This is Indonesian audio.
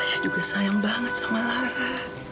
saya juga sayang banget sama lara